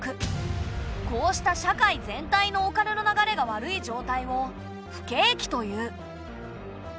こうした社会全体のお金の流れが悪い状態を不景気という。